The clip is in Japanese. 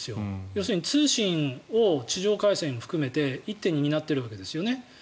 要するに通信を地上回線を含めて一手に担っているわけですよね。